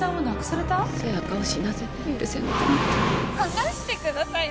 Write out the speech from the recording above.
離してください。